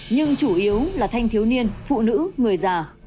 nhưng chủ yếu là thanh thiếu niên phụ nữ người già